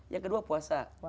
yang kedua puasa